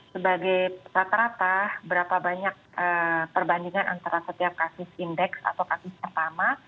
sebagai rata rata berapa banyak perbandingan antara setiap kasus indeks atau kasus pertama